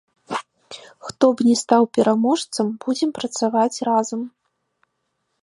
Хто б ні стаў пераможцам, будзем працаваць разам.